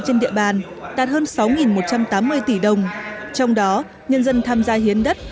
trên địa bàn đạt hơn sáu một trăm tám mươi tỷ đồng trong đó nhân dân tham gia hiến đất